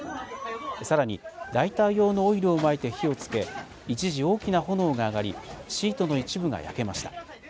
さらに、ライター用のオイルをまいて火をつけ、一時大きな炎が上がり、シートの一部が焼けました。